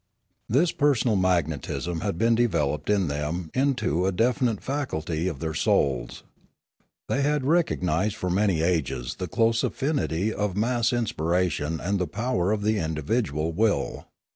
This persona] magnetism had been developed in them into a definite faculty of their souls. They had recognised for many ages the close affinity of mass in spiration and the power of the individual will.